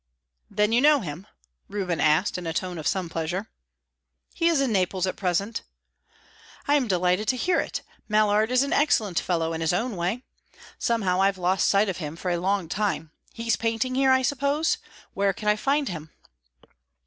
"Then you know him?" Reuben asked, in a tone of some pleasure. "He is in Naples at present." "I'm delighted to hear it. Mallard is an excellent fellow, in his own way, Somehow I've lost sight of him for a long time. He's painting here, I suppose? Where can I find him?"